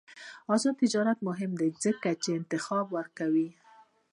آزاد تجارت مهم دی ځکه چې انتخاب ورکوي.